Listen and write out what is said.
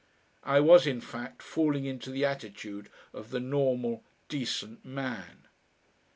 I was, in fact, falling into the attitude of the normal decent man.